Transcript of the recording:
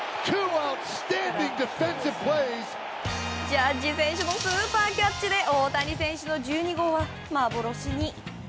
ジャッジ選手のスーパーキャッチで大谷選手の１２号は幻に。